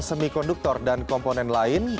semikonduktor dan komponen lain